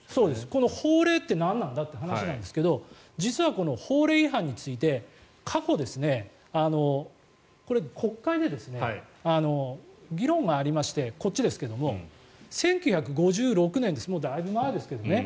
この法令が何なんだという話なんですけど実は法令違反について過去、国会で議論がありましてこっちですけども、１９５６年もうだいぶ前ですけどね。